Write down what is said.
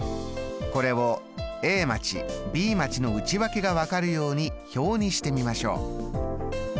これをＡ町Ｂ町の内訳が分かるように表にしてみましょう。